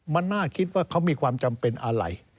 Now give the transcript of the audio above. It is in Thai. มันน่าคิดว่าเขามีความจำเป็นอะไร